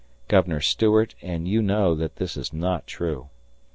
Governor Stuart and you know that this is not true.